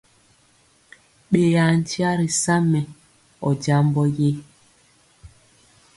Ɓeya nkya ri sa mɛ ɔ jambɔ ye?